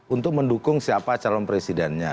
untuk mendukung siapa calon presidennya